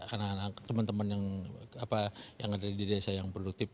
anak anak teman teman yang ada di desa yang produktif